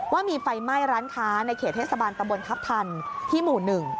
ว่ามีไฟไหม้ร้านค้าในเขตเทศบาลตำบลทัพทันที่หมู่๑